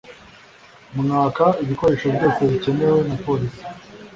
mwaka ibikoresho byose bikenewe na polisi